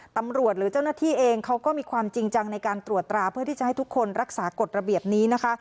หรือเจ้าหน้าที่เองเขาก็มีความจริงจังในการตรวจตราเพื่อที่จะให้ทุกคนรักษากฎระเบียบนี้นะคะ